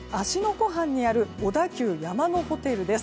湖畔にある小田急山のホテルです。